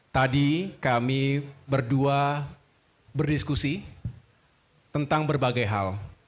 tadi kami berdua berdiskusi tentang berbagai hal